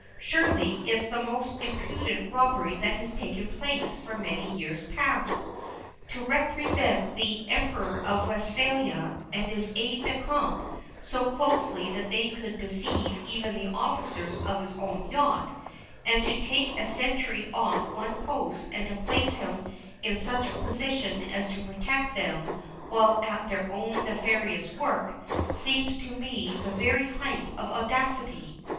Surely it's the most impudent robbery that has taken place for many years past. To represent the Emperor of Westphalia and his aide de camp so closely that they could deceive even the officers of his own yacht, and to take a sentry off one post and place him in such a position as to protect them while at their own nefarious work, seems to me the very height of audacity.